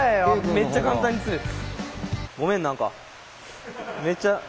めっちゃ簡単に釣れた。